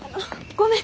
ごめん。